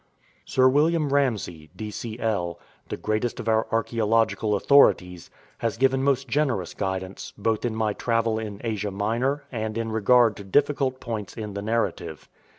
Sir William Ramsay, D.c.L., the greatest of our archaeological authorities, has given most generous guidance, both in my travel in Asia Minor and in regard to difficult points in the narrative.